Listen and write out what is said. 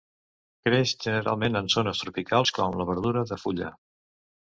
Creix generalment en zones tropicals com a verdura de fulla.